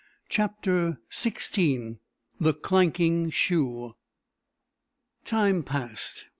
Chapter XVI The Clanking Shoe. Time passed.